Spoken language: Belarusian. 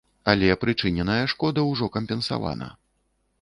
Але прычыненая шкода ўжо кампенсавана.